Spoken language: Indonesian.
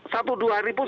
satu dua hari pun